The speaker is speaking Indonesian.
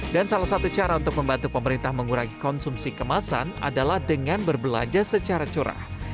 dan salah satu cara untuk membantu pemerintah mengurangi konsumsi kemasan adalah dengan berbelanja secara curah